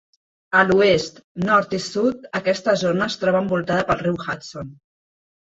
A l'oest, nord i sud, aquesta zona es troba envoltada pel riu Hudson.